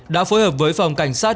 đã phối hợp với phòng cảnh sát